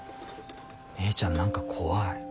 姉ちゃん何か怖い。